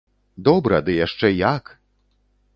Добра, ды яшчэ як!